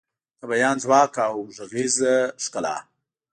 د بیان ځواک او غږیز ښکلا